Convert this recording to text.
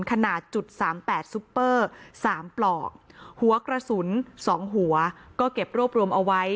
ขนาดจุดสามแปดซุปเปอร์๓ปลอกหัวกระสุน๒หัวก็เก็บรวบรวมเอาไว้